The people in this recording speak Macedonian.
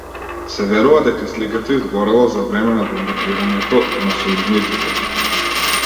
Се верува дека сликата изгорела за време на бомбардирањето на сојузниците.